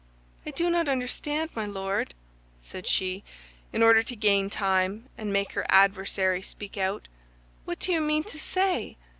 "I do not understand, my Lord," said she, in order to gain time and make her adversary speak out. "What do you mean to say?